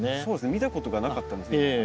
見たことがなかったですね。